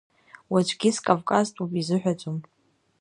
Уаҵәгьы скавказтәуп изыҳәаӡом.